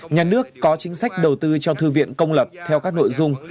nhà nước có chính sách đầu tư cho thư viện công lập theo các nội dung